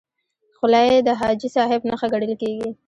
خولۍ د حاجي صاحب نښه ګڼل کېږي.